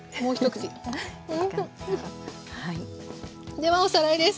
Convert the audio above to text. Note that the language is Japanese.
ではおさらいです。